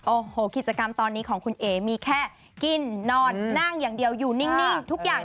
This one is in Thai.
โอ้โหกิจกรรมตอนนี้ของคุณเอ๋มีแค่กินนอนนั่งอย่างเดียวอยู่นิ่งทุกอย่าง